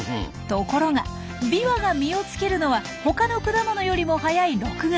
ところがビワが実をつけるのは他の果物よりも早い６月。